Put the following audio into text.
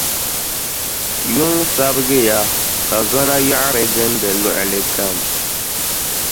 Yuŋ sabigiya, ka zɔna yiɣiri gindi luɣili kam.